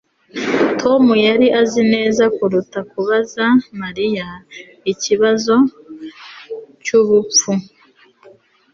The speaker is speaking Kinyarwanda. Tom yari azi neza kuruta kubaza Mariya ikibazo cyubupfu